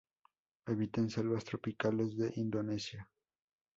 Habita en selvas tropicales de Indonesia.